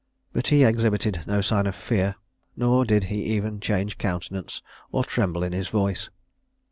but he exhibited no sign of fear, nor did he even change countenance or tremble in his voice.